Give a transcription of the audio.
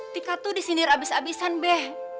tika tuh disindir abis abisan be